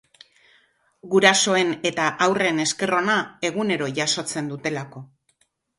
Gurasoen eta haurren esker ona egunero jasotzen dutelako.